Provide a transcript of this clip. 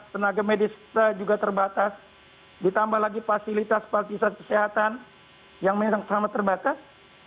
tenaga medis juga terbatas ditambah lagi fasilitas paltisan kesehatan yang memang sama terbatas